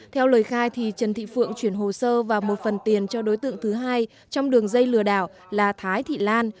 theo lời khai trần thị phượng chuyển hồ sơ và một phần tiền cho đối tượng thứ hai trong đường dây lừa đảo là thái thị lan